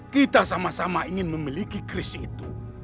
kita sama sama ingin memiliki kris itu